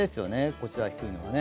こちらが低いのは。